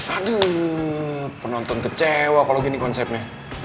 aduh penonton kecewa kalau gini konsepnya